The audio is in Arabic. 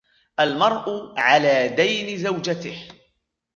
الْمَرْءُ عَلَى دَيْنِ زَوْجَتِهِ